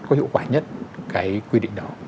có hiệu quả nhất cái quy định đó